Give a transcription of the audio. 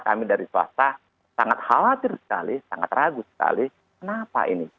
maka kita tentulah tentulah kami dari swasta sangat khawatir sekali sangat ragu sekali kenapa ini